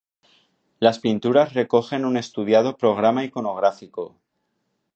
Las pinturas recogen un estudiado programa iconográfico.